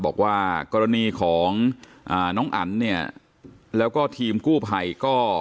บอกว่ากรณีของน้องอันเนี่ยแล้วก็ทีมกู้ภัยก็